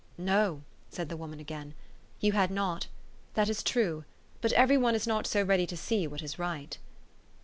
"No," said the woman again, "you had not. That is true. But every one is not so ready to see what is right."